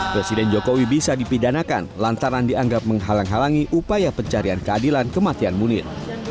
presiden jokowi bisa dipidanakan lantaran dianggap menghalang halangi upaya pencarian keadilan kematian munir